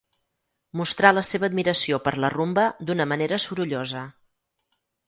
Mostrà la seva admiració per la rumba d'una manera sorollosa.